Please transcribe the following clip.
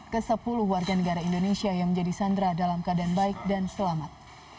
ke sepuluh warga negara indonesia yang menjadi sandera dalam keadaan baik dan selamat